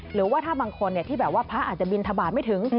หรือว่าถ้าบางคนที่แบบว่าพระอาจจะบินทบาทไม่ถึง